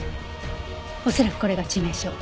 恐らくこれが致命傷。